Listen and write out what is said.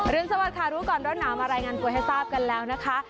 สวัสดีค่ะรู้ก่อนร้อนหนาวมารายงานตัวให้ทราบกันแล้วนะคะ